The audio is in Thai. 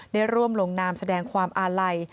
ได้ร่วมลงนามแสดงความอาลัย